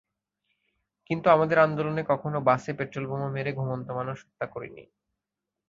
কিন্তু আমাদের আন্দোলনে কখনো বাসে পেট্রলবোমা মেরে ঘুমন্ত মানুষ হত্যা করিনি।